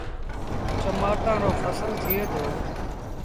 چمآٽآن رو ڦسل ٿئي دو۔